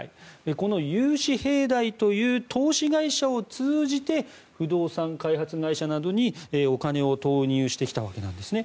この融資平台という投資会社を通じて不動産開発会社などにお金を投入してきたわけなんですね。